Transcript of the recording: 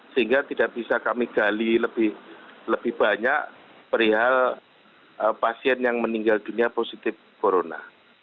sehingga tidak bisa kami gali lebih banyak perihal pasien yang meninggal dunia positif corona